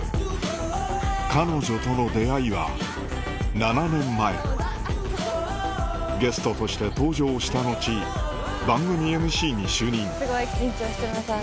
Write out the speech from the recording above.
彼女との出会いは７年前ゲストとして登場した後番組ＭＣに就任すごい緊張してます。